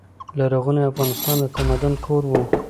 لرغونی افغانستان د تمدن کور و.